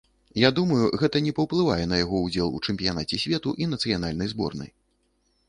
Я думаю, гэта не паўплывае на яго ўдзел у чэмпіянаце свету і нацыянальнай зборнай.